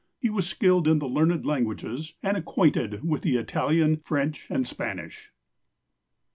He was skilled in the learned languages, and acquainted with the Italian, French, and Spanish."